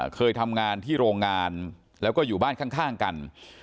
เคยทำงานที่โรงงานแล้วก็อยู่บ้านข้างกัน